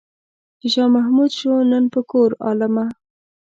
چې شاه محمود شو نن په کور عالمه.